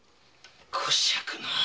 こしゃくな。